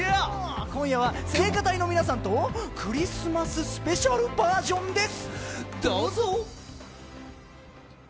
今夜は聖歌隊の皆さんとクリスマススペシャルバージョンです。